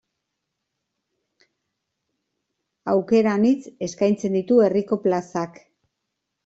Aukera anitz eskaintzen ditu herriko plazak.